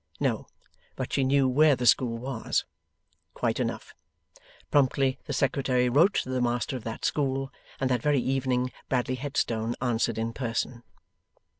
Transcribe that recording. No, but she knew where the school was. Quite enough. Promptly the Secretary wrote to the master of that school, and that very evening Bradley Headstone answered in person.